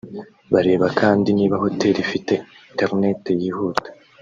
Bareba kandi niba Hoteli ifite interineti yihuta